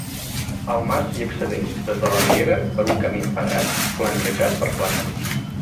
Al mas s'hi accedeix, des de la riera, per un camí empedrat, flanquejat per plàtans.